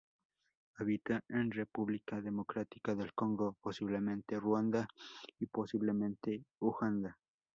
Habita en República Democrática del Congo, posiblemente Ruanda y posiblemente Uganda.